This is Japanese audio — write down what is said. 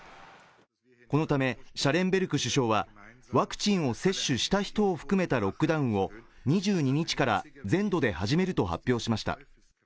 このためシャレンベルク首相はワクチンを接種した人を含めたロックダウンを２２日から全土で始めると発表しました